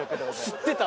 知ってた？